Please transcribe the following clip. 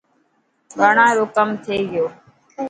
ٻاڙا رو ڪم ٿي گيو.